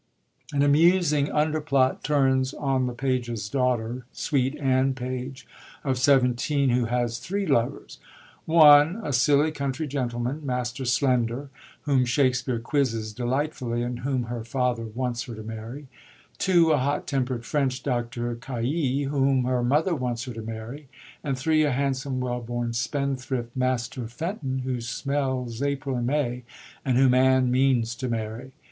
An amusing underplot turns on the Pages' daughter, sweet Anne Page, of seventeen, who has three lovers — 1, a silly countiy gentleman. Master Slender, whom Shak spere quizzes delightfully, and whom her father wants her to marry; 2, a hot temperd French Dr. Caius, whom her mother wants her to marry ; and 3, a hand some well bom spendthrift. Master Fen ton, who * smells April and May,' and whom Anne means to marry.